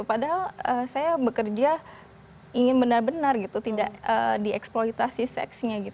padahal saya bekerja ingin benar benar gitu tidak dieksploitasi seksnya